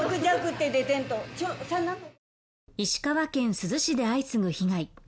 石川県珠洲市で相次ぐ被害。